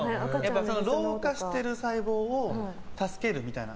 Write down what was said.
老化してる細胞を助けるみたいな。